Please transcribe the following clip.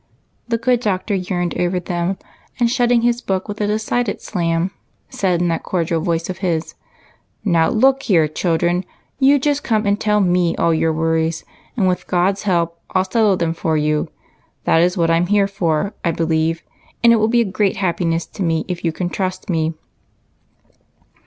— the good Doctor yearned over them, and, shutting his book with a decided slam, said in that cordial voice of his, —" Now, look here, children, you just come and tell me all your worries, and with God's help I '11 settle them for you. That is what I 'm here for, I believe, and it will be a great happiness to me if you can trust me."